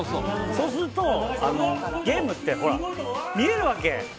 そうすると、ゲームって見えるわけ。